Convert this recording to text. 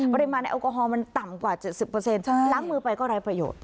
ปริมาณแอลกอฮอลมันต่ำกว่า๗๐ล้างมือไปก็ไร้ประโยชน์